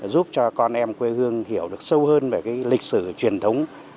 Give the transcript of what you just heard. giúp cho con em quê hương hiểu được sâu hơn về cái lịch sử truyền thống